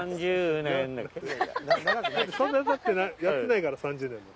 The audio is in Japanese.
んなに経ってないやってないから３０年も。